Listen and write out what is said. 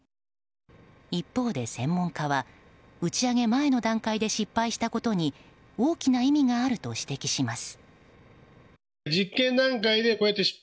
一方で、専門家は打ち上げ前の段階で失敗したことに大きな意味があると指摘します。